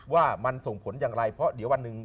ว่ามันส่งผลอย่างไรเพราะเดี๋ยววันหนึ่ง